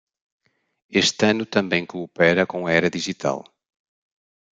Este ano também coopera com a era digital